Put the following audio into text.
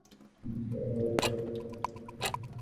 রাত শেষ হবার আগে-আগে বর্ষণ শুরু হলো।